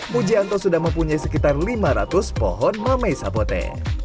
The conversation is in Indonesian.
mujianto sudah mempunyai sekitar lima ratus pohon mamey sapote